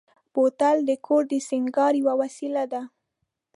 بوتل د کور د سینګار یوه وسیله ده.